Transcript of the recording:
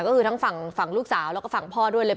ก็คือทั้งฝั่งลูกสาวแล้วก็ฝั่งพ่อด้วยเลย